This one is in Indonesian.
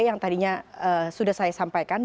yang tadinya sudah saya sampaikan